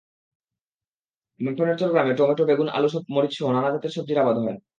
মাখনেরচর গ্রামে টমেটো, বেগুন, আলু, মরিচসহ নানা জাতের সবজির আবাদ হয়।